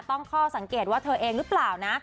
ข้อสังเกตว่าเธอเองหรือเปล่านะ